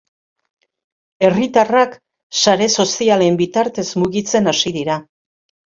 Herritarrak sare sozialen bitartez mugitzen hasi dira.